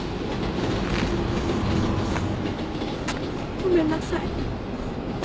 ごめんなさい